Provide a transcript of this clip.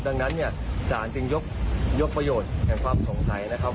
ดังนั้นเนี่ยสารจึงยกประโยชน์แห่งความสงสัยนะครับ